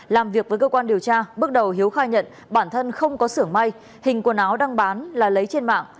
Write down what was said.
làm việc với cơ quan điều tra bước đầu hiếu khai nhận bản thân không có sưởng may hình quần áo đang bán là lấy trên mạng